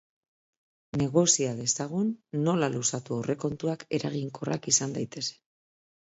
Negozia dezagun nola luzatu aurrekontuak eraginkorrak izan daitezen.